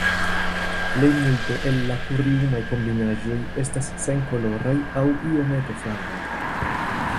Plejmulto el la kuriumaj kombinaĵoj estas senkoloraj aŭ iomete flavaj.